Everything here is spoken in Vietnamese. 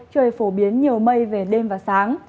trời phổ biến nhiều mây về đêm và sáng